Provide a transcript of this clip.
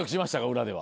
裏では。